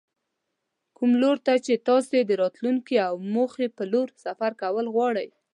کوم لور ته چې تاسې د راتلونکې او موخې په لور سفر کول غواړئ.